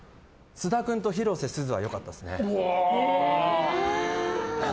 菅田君と広瀬すずは良かったですね。